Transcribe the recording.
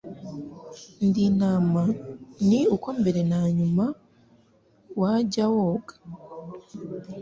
Indi nama ni uko mbere na nyuma wajya woga